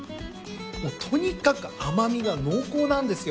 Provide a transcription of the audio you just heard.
もうとにかく甘みが濃厚なんですよ。